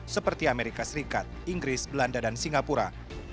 seperti amerika serikat inggris belanda dan singapura